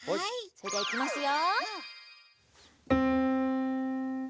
それではいきますよ！